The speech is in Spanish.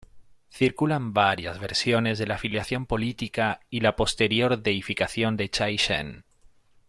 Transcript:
Circulan varias versiones de la afiliación política y la posterior deificación de Cai Shen.